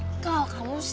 pernah pindah ke singapur